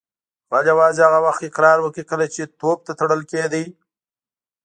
غل یوازې هغه وخت اقرار وکړ کله چې توپ ته تړل کیده